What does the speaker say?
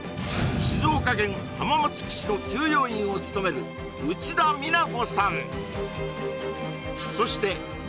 静岡県浜松基地の給養員を務める内田美菜子さん